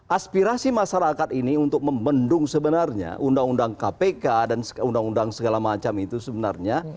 aspirasi masyarakat ini untuk membendung sebenarnya undang undang kpk dan undang undang segala macam itu sebenarnya